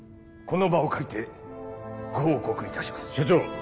この場を借りてご報告いたします社長